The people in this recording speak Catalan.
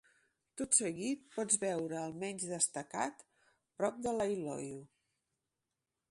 Tot seguit pots veure el menys destacat prop de Leiloio.